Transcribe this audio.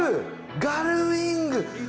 ガルウィング！